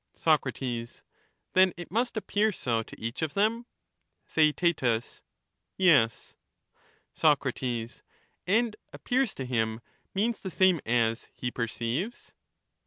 Soc, Then it must appear so to each of them ? Theaet, Yes. Soc, And 'appears to him' means the same as 'he per ceives.'